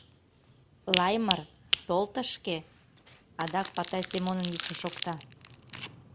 — Лаймыр, тол тышке! — адак Патай Семонын йӱкшӧ шокта.